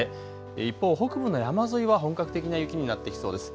一方、北部の山沿いは本格的な雪になってきそうです。